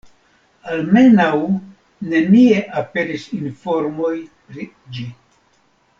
Almenaŭ nenie aperis informoj pri ĝi.